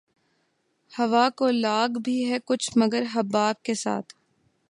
ہوا کو لاگ بھی ہے کچھ مگر حباب کے ساتھ